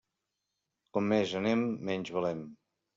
Com més anem, menys valem.